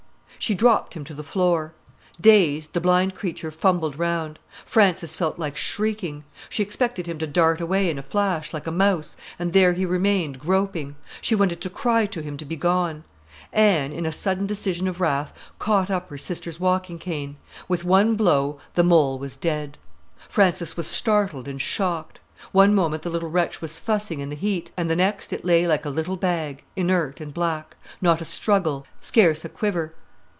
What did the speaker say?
She dropped him to the floor. Dazed, the blind creature fumbled round. Frances felt like shrieking. She expected him to dart away in a flash, like a mouse, and there he remained groping; she wanted to cry to him to be gone. Anne, in a sudden decision of wrath, caught up her sister's walking cane. With one blow the mole was dead. Frances was startled and shocked. One moment the little wretch was fussing in the heat, and the next it lay like a little bag, inert and black—not a struggle, scarce a quiver.